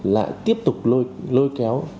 lại tiếp tục lôi kéo